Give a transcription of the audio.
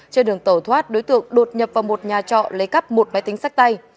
trên đường tàu thoát đối tượng đột nhập vào một nhà trọ lấy cắp một máy tính sách tay